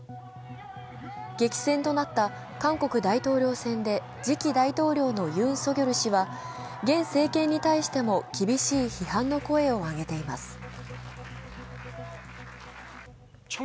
激戦となった韓国大統領選で次期大統領のユン・ソギョル氏は現政権に対しても厳しい批判の声を上げています。